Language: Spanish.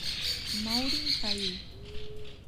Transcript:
Maureen Cahill.